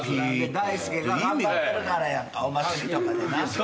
大輔が頑張ってるからやんお祭りとかでな。